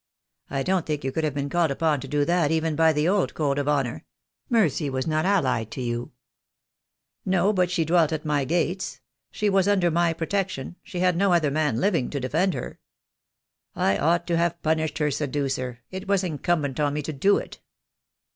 "I don't think you could have been called upon to do that even by the old code of honour. Mercy was not allied to you —" "No, but she dwelt at my gates. She was under my protection — she had no other man living to defend her. I ought to have punished her seducer — it was incumbent on me to do it.